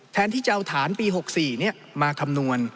แทนที่จะเอาฐานปี๖๔มาคำนวณ